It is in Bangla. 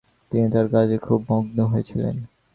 তিনি তাঁর কাজে খুব মগ্ন হয়েছিলেন।